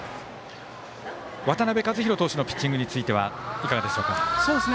渡辺和大投手のピッチングについてはいかがでしょうか？